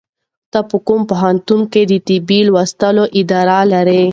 ته په کوم پوهنتون کې د طب د لوستلو اراده لرې؟